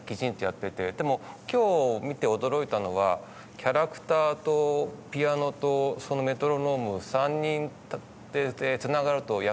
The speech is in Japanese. でも今日見て驚いたのはキャラクターとピアノとそのメトロノーム３人繋がると役に立っちゃうなっていう。